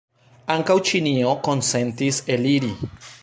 Ankaŭ Ĉinio konsentis eliri.